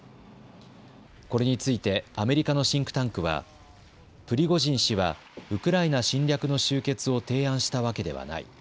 これについてアメリカのシンクタンクはプリゴジン氏はウクライナ侵略の終結を提案したわけではない。